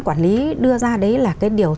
quản lý đưa ra đấy là cái điều